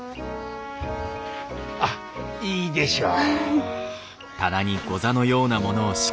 あっいいでしょう。